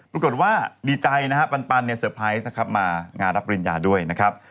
ปรากฏว่าดีใจนะฮะปันเนี่ยเซอร์ไพรส์นะครับมางานรับปริญญาด้วยนะครับ